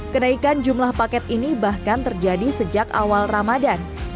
kenaikan jumlah paket ini bahkan terjadi sejak awal ramadan